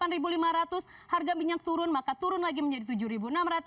rp delapan lima ratus harga minyak turun maka turun lagi menjadi rp tujuh enam ratus